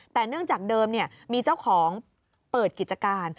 แต่เนื่องจากเดิมมีเจ้าของเปิดกิจการ